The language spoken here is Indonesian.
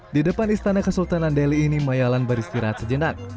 di depan istana kesultanan delhi ini mayalan beristirahat sejenak